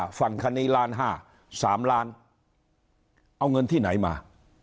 ๓ล้านฝั่งคนนี้ล้านห้า๓ล้านเอาเงินที่ไหนมา